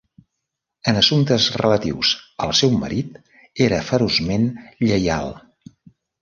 En assumptes relatius al seu marit, era feroçment lleial.